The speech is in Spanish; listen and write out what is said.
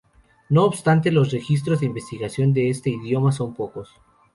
No obstante, los registros de investigación de este idioma son pocos.